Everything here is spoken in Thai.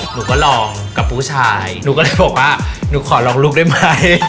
หนูก็ลองกับผู้ชายหนูก็เลยบอกว่าหนูขอลองลูกได้ไหม